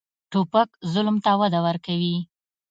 توپک ظلم ته وده ورکوي.